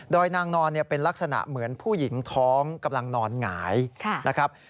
โดยนางนอนเป็นลักษณะเหมือนผู้หญิงท้องกำลังนอนหงายนะครับ